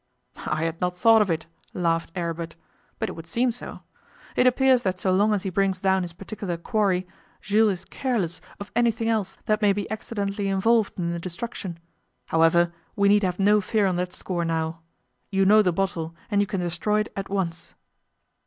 'I had not thought of it,' laughed Aribert, 'but it would seem so. It appears that so long as he brings down his particular quarry, Jules is careless of anything else that may be accidentally involved in the destruction. However, we need have no fear on that score now. You know the bottle, and you can destroy it at once.